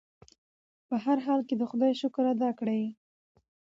په هر حال کې د خدای شکر ادا کړئ.